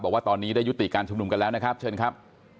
บอกว่าตอนนี้ได้ยุติการชุมนุมกันแล้วนะครับเชิญครับ